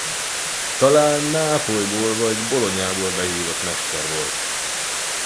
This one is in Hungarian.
Talán Nápolyból vagy Bolognából behívott mester volt.